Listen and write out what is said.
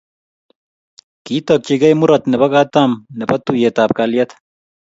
Kitokchikei murot nebo katam nebo tuiyetab kalyet